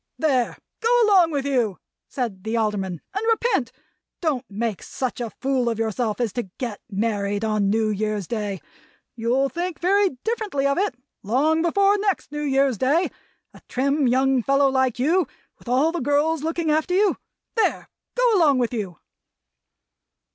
"There! Go along with you," said the Alderman, "and repent. Don't make such a fool of yourself as to get married on New Year's Day. You'll think very differently of it, long before next New Year's Day: a trim young fellow like you, with all the girls looking after you. There! Go along with you!"